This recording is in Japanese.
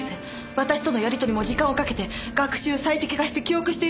私とのやり取りも時間をかけて学習最適化して記憶しているんです。